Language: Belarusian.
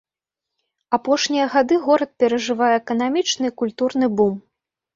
Апошнія гады горад перажывае эканамічны і культурны бум.